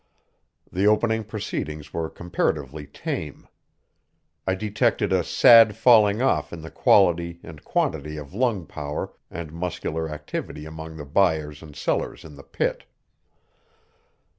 The opening proceedings were comparatively tame. I detected a sad falling off in the quality and quantity of lung power and muscular activity among the buyers and sellers in the pit.